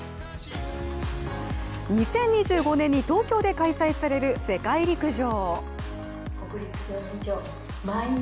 ２０２５年に東京で開催される世界陸上。